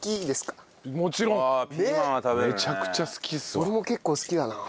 俺も結構好きだな。